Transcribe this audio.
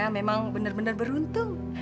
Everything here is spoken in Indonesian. memang benar benar beruntung